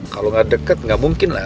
kalo gak deket gak mungkin lah